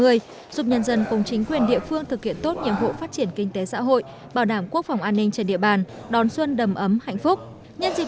giúp nhân dân cùng chính quyền địa phương thực hiện tốt nhiệm vụ phát triển kinh tế xã hội